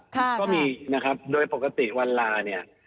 ก็มีนะครับโดยปกติวันลาเนี่ย